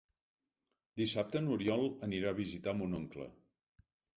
Dissabte n'Oriol anirà a visitar mon oncle.